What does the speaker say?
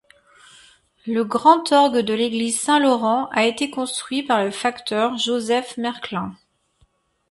Le grand orgue de l’église Saint-Laurent a été construit par le facteur Joseph Merklin.